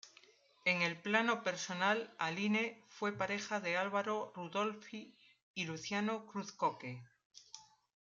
En el plano personal, Aline fue pareja de Álvaro Rudolphy y Luciano Cruz-Coke.